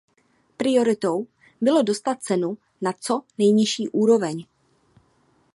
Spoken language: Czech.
Prioritou bylo dostat cenu na co nejnižší úroveň.